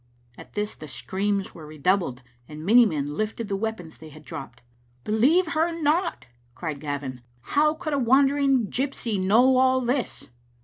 At this the screams were redoubled, and many men lifted the weapons they had dropped. " Believe her not," cried Gavin. " How could a wan dering gypsy know all this?"